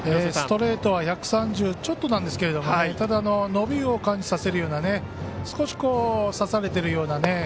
ストレートは１３０ちょっとなんですけどただ、伸びを感じさせるような少し差されているようなね。